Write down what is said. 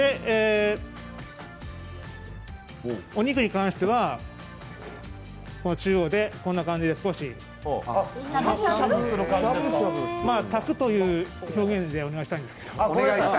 お肉に関しては、中央でこんな感じで少し炊くという表現でお願いしたいんですけど。